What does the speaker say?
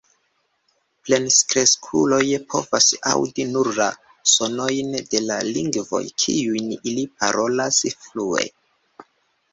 Plenkreskuloj povas aŭdi nur la sonojn de la lingvoj, kiujn ili parolas flue.